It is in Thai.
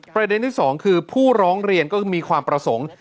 ประเด็นที่สองคือผู้ร้องเรียนก็คือมีความประสงค์